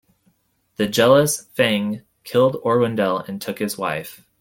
The jealous Feng killed Orwendel and took his wife.